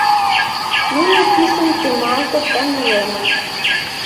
Нуно писын темалтыт да нелемыт.